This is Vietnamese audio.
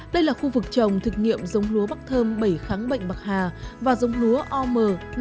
đây là khu vực trồng thực nghiệm giống lúa bắc thơm bảy kháng bệnh bạc hà và giống lúa om năm nghìn bốn trăm năm mươi một